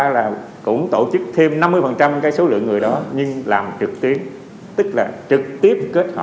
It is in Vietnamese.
và đảm bảo